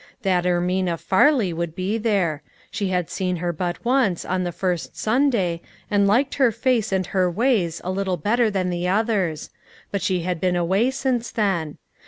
That Ermina Farley would be there; she had seen her but once, on the first Sunday, and liked her face and her ways a little better than the others ; but she had been away since then.